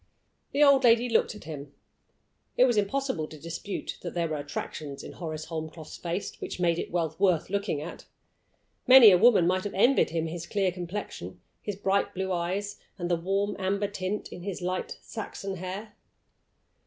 The old lady looked at him. It was impossible to dispute that there were attractions in Horace Holmcroft's face which made it well worth looking at. Many a woman might have envied him his clear complexion, his bright blue eyes, and the warm amber tint in his light Saxon hair.